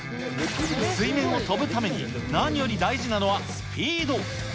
水面を跳ぶために、何より大事なのはスピード。